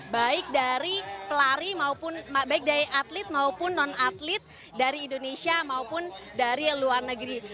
baik dari pelari maupun baik dari atlet maupun non atlet dari indonesia maupun dari luar negeri